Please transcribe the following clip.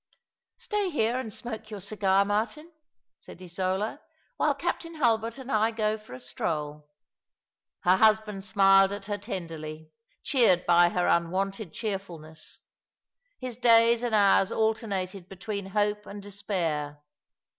"Stay here and smoke your cigar, Martin," said Isola, " while Captain Hulbert and I go for a stroll." Her husband smiled at her tenderly, cheered by her unwonted cheerfulness. His days and hours alternated between hope and despair.